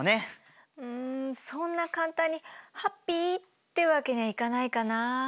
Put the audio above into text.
うんそんな簡単にハッピーってわけにはいかないかな。